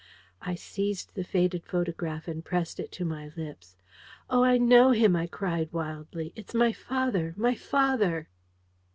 I seized the faded photograph and pressed it to my lips. "Oh, I know him!" I cried wildly. "It's my father! My father!"